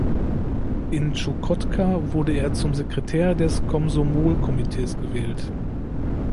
In Tschukotka wurde er zum Sekretär des Komsomol-Komitees gewählt.